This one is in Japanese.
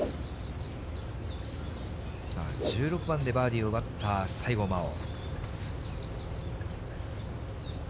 さあ、１６番でバーディーを奪った西郷真央。